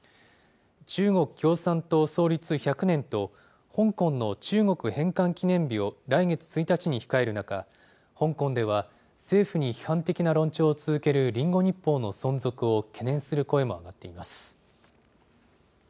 中国共産党創立１００年と、香港の中国返還記念日を来月１日に控える中、香港では、政府に批判的な論調を続けるリンゴ日報の存続を懸念する声も上がっています。